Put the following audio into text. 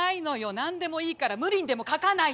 何でもいいから無理にでも書かないと。